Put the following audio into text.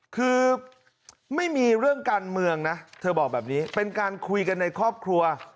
คือไม่มีเรื่องการเมืองนะเธอบอกแบบนี้เป็นการคุยกันในครอบครัว